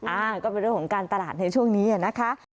อ่าก็เป็นเรื่องของการตลาดในช่วงนี้นะคะ